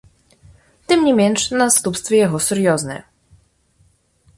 Тым не менш, наступствы яго сур'ёзныя.